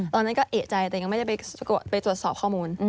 ตอนนั้นก็เอกใจแต่ยังไม่ได้ไปตรวจสอบข้อมูล